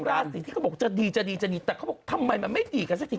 ราศีที่เขาบอกจะดีจะดีจะดีแต่เขาบอกทำไมมันไม่ดีกันสักที